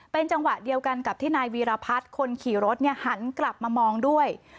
เป็นจังหวะเดียวกันกับที่นายวีรพัฒน์คนขี่รถหันกลับมามองด้วย